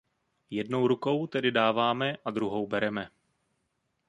Jednou rukou tedy dáváme a druhou bereme!